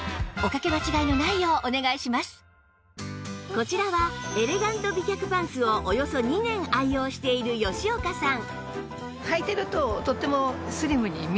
こちらはエレガント美脚パンツをおよそ２年愛用している吉岡さん